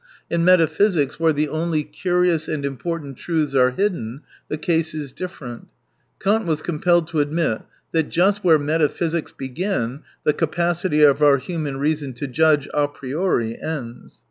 In metaphysics, where the only curious and important truths are hidden, the case is different. Kant was compelled to admit that just where metaphysics begin the capacity of our human reason to judge a priori ends.